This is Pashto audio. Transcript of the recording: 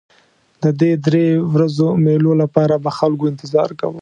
د دې درې ورځو مېلو لپاره به خلکو انتظار کاوه.